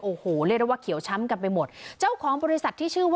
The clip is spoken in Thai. โอ้โหเรียกได้ว่าเขียวช้ำกันไปหมดเจ้าของบริษัทที่ชื่อว่า